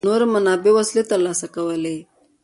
نورو منابعو وسلې ترلاسه کولې.